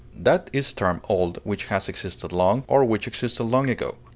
That is termed old which has existed long, or which existed long ago.